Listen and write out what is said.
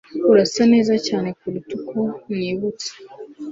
Urasa neza cyane kuruta uko nibutse